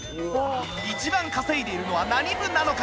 一番稼いでいるのは何部なのか？